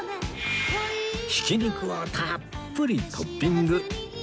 ひき肉をたっぷりトッピング